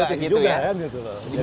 politi juga ya gitu